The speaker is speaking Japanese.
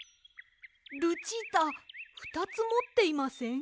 ルチータふたつもっていません？